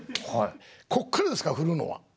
こっからですから振るのは。